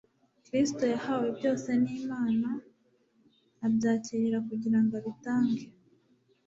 Kristo yahawe byose n'Imana, kandi abyakirira kugira ngo abitange.